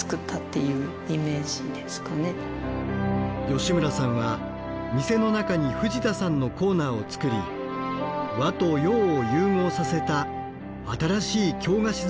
吉村さんは店の中に藤田さんのコーナーを作り和と洋を融合させた新しい京菓子作りを支援しています。